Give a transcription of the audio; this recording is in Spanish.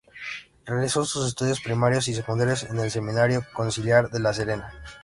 Realizó sus estudios primarios y secundarios en el Seminario Conciliar de La Serena.